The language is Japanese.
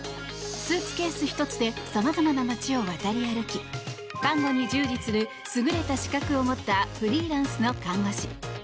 スーツケース１つでさまざまな街を渡り歩き看護に従事する優れた資格を持ったフリーランスの看護師。